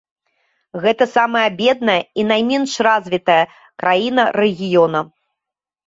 Гэта самая бедная і найменш развітая краіна рэгіёна.